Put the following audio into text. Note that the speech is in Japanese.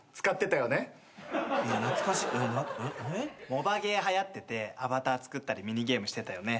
モバゲーはやっててアバターつくったりミニゲームしてたよね。